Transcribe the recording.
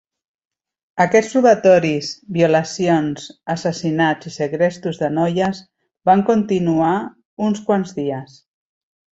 Aquests robatoris, violacions, assassinats i segrestos de noies van continuar uns quants dies.